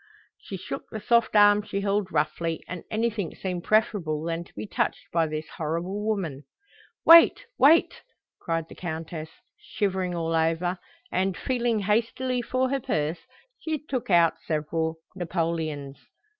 She shook the soft arm she held roughly, and anything seemed preferable than to be touched by this horrible woman. "Wait, wait!" cried the Countess, shivering all over, and, feeling hastily for her purse, she took out several napoleons.